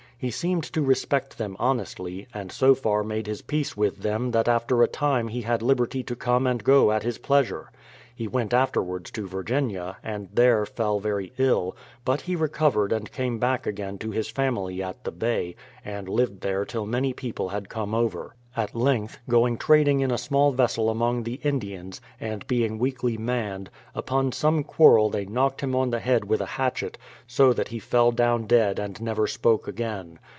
He seemed to respect them honestly, and so far made his peace with them that after a time he had liberty to come and go at his pleasure. He went afterwards to Mrginia, and there fell very ill ; but he recovered and came back again to his family at the Bay, and lived there till many people had come over. At length, going trading in a small vessel among the Indians, and being weakly manned, upon some quarrel they knocked him on the head with a hatchet, so that he fell down dead and never spoke again.